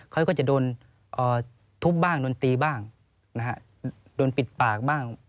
เขาก็จะโดนทุบบ้างโดนตีบ้างนะฮะโดนปิดปากบ้าง